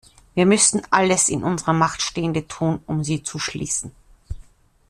Wir müssen alles in unserer Macht stehende tun, um sie zu schließen.